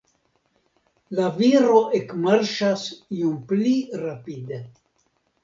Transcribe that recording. La viro ekmarŝas iom pli rapide.